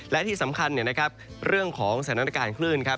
และที่สำคัญเนี่ยนะครับเรื่องของสถานการณ์คลื่นครับ